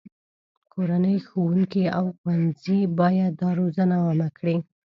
کورنۍ، ښوونکي، او ښوونځي باید دا روزنه عامه کړي.